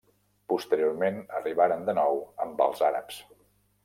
Posteriorment arribaren de nou amb els àrabs.